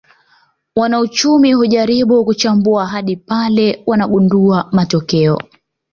Wanauchumi hujaribu kuchambua hadi pale wanagundua matokeo